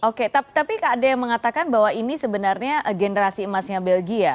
oke tapi kak ade mengatakan bahwa ini sebenarnya generasi yang lebih muda